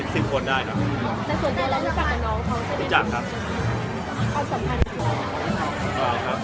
ในตัวเองเรารู้จักคนน้องเขามันเป็นคนที่เรารู้จัก